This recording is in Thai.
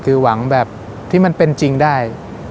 คือหวังแบบที่มันเป็นจริงได้